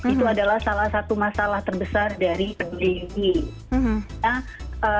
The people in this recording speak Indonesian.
itu adalah salah satu masalah terbesar dari peduli lindungi